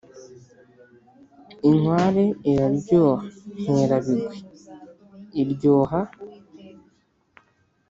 lnkware iraryoha nkerabigwi/ i ry o h a